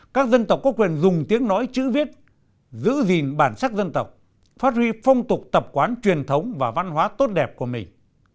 các dân tộc có quyền dùng tiếng nói chữ viết giữ gìn bản sắc dân tộc phát huy phong tục tập quán truyền thống và văn hóa tốt đẹp của mình